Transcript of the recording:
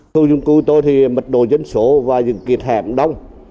khu dân cư tôi thì mệt đồ dân số và những kiệt hẻm đông